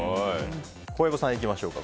小籔さんいきましょうか。